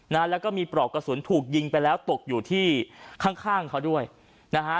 นะฮะแล้วก็มีปลอกกระสุนถูกยิงไปแล้วตกอยู่ที่ข้างข้างเขาด้วยนะฮะ